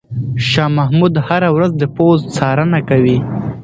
شاه محمود هره ورځ د پوځ څارنه کوي.